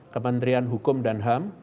kementerian hukum dan ham